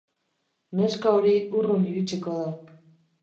Neska hori urrun iritsiko da.